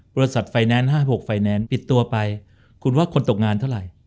บริษัทไฟแนนซ์๕๖ไฟแนนซ์ปิดตัวไปคุณว่าคนตกงานเท่าไหร่